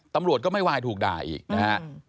ตำรวจก็ไม่ไหว้ถูกด่ายอีกนะฮะ